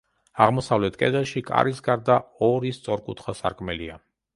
აღმოსავლეთ კედელში კარის გარდა ორი სწორკუთხა სარკმელია.